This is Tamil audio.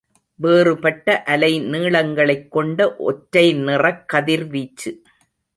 வேறுபட்ட அலை நீளங்களைக் கொண்ட ஒற்றை நிறக் கதிர்வீச்சு.